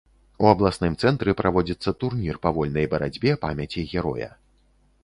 У абласным цэнтры праводзіцца турнір па вольнай барацьбе памяці героя.